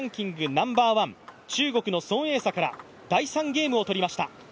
ナンバーワン、中国の孫エイ莎から第３ゲームを取りました。